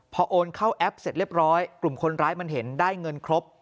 พอโอนเข้าแอปเสร็จเรียบร้อยกลุ่มคนร้ายมันเห็นได้เงินครบ